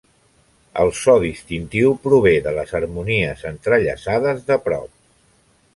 El seu so distintiu prové de les harmonies entrellaçades de prop.